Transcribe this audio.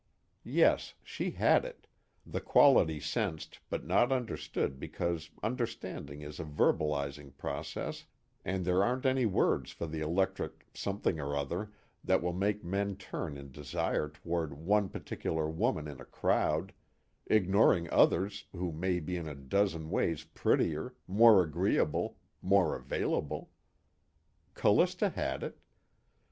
Yes, she had it, the quality sensed but not understood because understanding is a verbalizing process and there aren't any words for the electric something or other that will make men turn in desire toward one particular woman in a crowd, ignoring others who may be in a dozen ways prettier, more agreeable, more available. Callista had it.